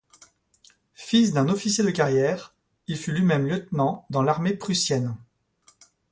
Fils d'un officier de carrière, il fut lui-même lieutenant dans l'armée prussienne.